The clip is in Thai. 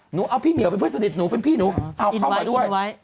หนูเอาพี่เหมียวเป็นเพื่อนสนิทหนูเป็นพี่หนูเอาเข้ามาด้วย